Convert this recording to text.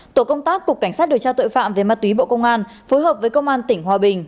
tổ công tác cục cảnh sát điều tra tội phạm về ma túy bộ công an phối hợp với công an tỉnh hòa bình